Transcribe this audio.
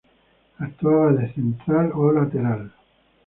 Actuaba de central o lateral.